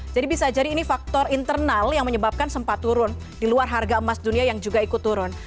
jadi bisa jadi ini faktor internal yang menyebabkan sempat turun di luar harga emas dunia yang juga ikut turun